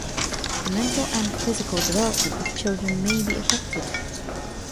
The mental and physical development of children may be affected.